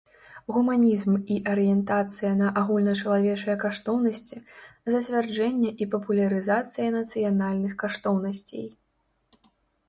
Гуманiзм i арыентацыя на агульначалавечыя каштоўнасцi, зацвярджэнне i папулярызацыя нацыянальных каштоўнасцей.